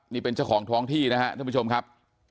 นี่เป็นเจ้าของท้องที่นะครับท่านผู้ชมครับ